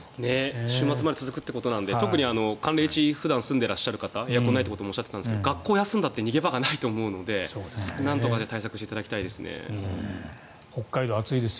週末まだ続くということなので寒冷地に普段住んでいる方エアコンもないとおっしゃっていたので学校を休んだって逃げ場がないと思うのでなんとか対策していただきたいと思います。